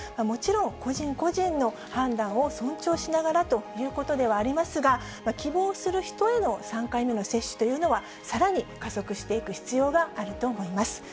もちろん、個人個人の判断を尊重しながらということではありますが、希望する人への３回目の接種というのは、さらに加速していく必要があると思います。